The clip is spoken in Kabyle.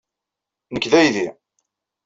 Nekk d aydi.